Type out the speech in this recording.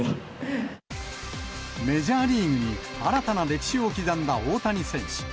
メジャーリーグに新たな歴史を刻んだ大谷選手。